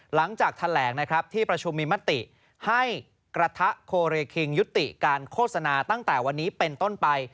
หลังจากแถลงนะครับที่ประชุมมีมติให้กระทะโคเรคิงยุติการโฆษณาตั้งแต่วันนี้เป็นต้นไป